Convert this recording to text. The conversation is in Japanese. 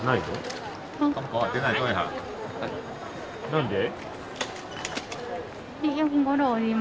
何で？